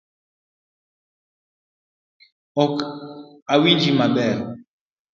Ok awinji maber.